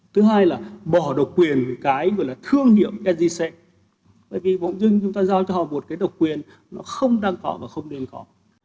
thứ hai là bỏ độc quyền cái gọi là thương hiệu sgc bởi vì bỗng dưng chúng ta giao cho họ một cái độc quyền nó không đáng có và không nên có